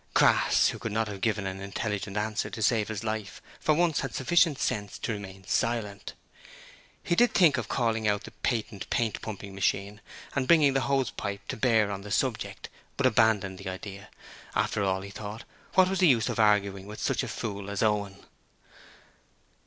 Crass, who could not have given an intelligent answer to save his life, for once had sufficient sense to remain silent. He did think of calling out the patent paint pumping machine and bringing the hosepipe to bear on the subject, but abandoned the idea; after all, he thought, what was the use of arguing with such a fool as Owen?